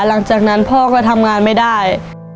หลังจากนั้นพ่อก็ทำงานไม่ได้